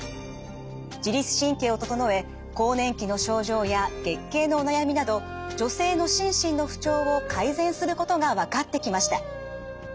自律神経を整え更年期の症状や月経のお悩みなど女性の心身の不調を改善することが分かってきました。